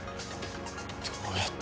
どうやって？